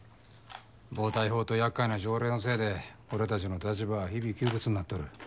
暴対法と厄介な条例のせいで俺たちの立場は日々窮屈になっとる。